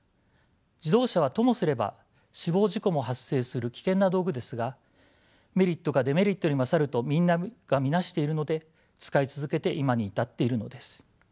自動車はともすれば死亡事故も発生する危険な道具ですがメリットがデメリットに勝るとみんなが見なしているので使い続けて今に至っているのです。